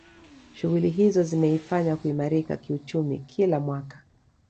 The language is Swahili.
Shughuli hizo zimeifanya kuimarika kiuchumi kila mwaka